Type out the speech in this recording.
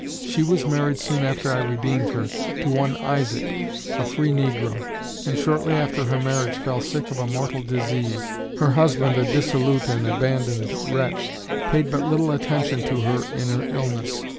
She was married soon after I redeemed her, to one Isaac, a free negro, and shortly after her marriage fell sick of a mortal disease; her husband a dissolute and abandoned wretch, paid but little attention to her in her illness.